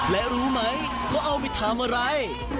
และรู้ไหมเขาเอาไปทำอะไร